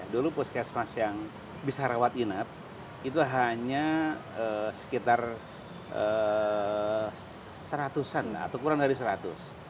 dulu puskesmas yang bisa rawat inap itu hanya sekitar seratusan atau kurang dari seratus